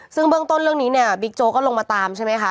ซึ่งเบื้องต้นเรื่องนี้เนี่ยบิ๊กโจ๊กก็ลงมาตามใช่ไหมคะ